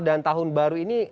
dan tahun baru ini